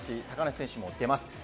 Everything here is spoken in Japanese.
高梨選手も出ます。